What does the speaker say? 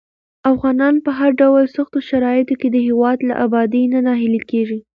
افغانان په هر ډول سختو شرايطو کې د هېواد له ابادۍ نه ناهیلي کېږي.